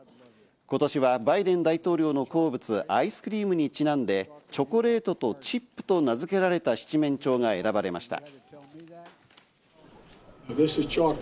今年はバイデン大統領の好物、アイスクリームにちなんで、チョコレートとチップと名付けられた七面鳥が選ばれました。